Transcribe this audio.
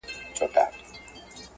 د هايبريډيټي په رامنځته کولو کي